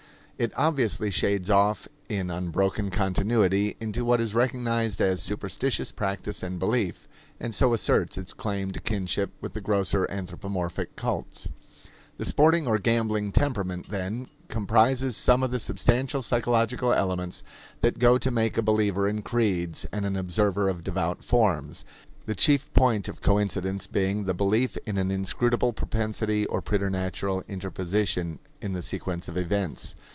It obviously shades off in unbroken continuity into what is recognized as superstitious practice and belief, and so asserts its claim to kinship with the grosser anthropomorphic cults. The sporting or gambling temperament, then, comprises some of the substantial psychological elements that go to make a believer in creeds and an observer of devout forms, the chief point of coincidence being the belief in an inscrutable propensity or a preternatural interposition in the sequence of events.